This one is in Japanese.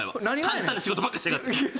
簡単な仕事ばっかりしやがって。